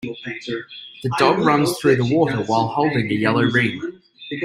The dog runs through the water while holding a yellow ring.